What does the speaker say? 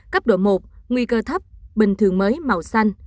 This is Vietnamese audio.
cấp độ một nguy cơ thấp bình thường mới màu xanh